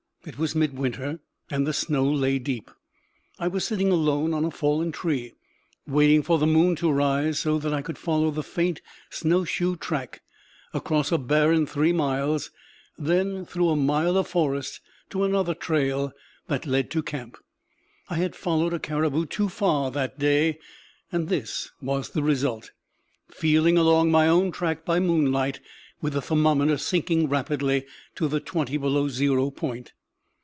It was midwinter, and the snow lay deep. I was sitting alone on a fallen tree, waiting for the moon to rise so that I could follow the faint snowshoe track across a barren, three miles, then through a mile of forest to another trail that led to camp. I had followed a caribou too far that day, and this was the result feeling along my own track by moonlight, with the thermometer sinking rapidly to the twenty below zero point.